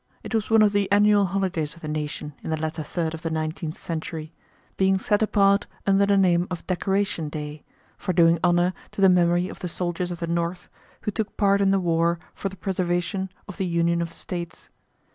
It was one of the annual holidays of the nation in the latter third of the nineteenth century, being set apart under the name of Decoration Day, for doing honor to the memory of the soldiers of the North who took part in the war for the preservation of the union of the States.